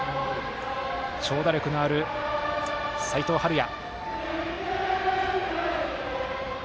長打力のある齋藤敏哉。